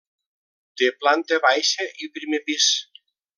Té planta baixa i primer pis.